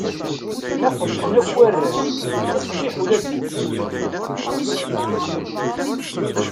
Ma qebḥen akk warrac, iqbiḥ ula d kečč!